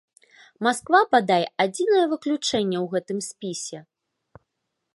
Масква, бадай, адзінае выключэнне ў гэтым спісе.